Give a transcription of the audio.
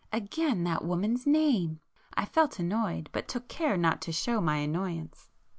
Again that woman's name! I felt annoyed, but took care not to show my annoyance.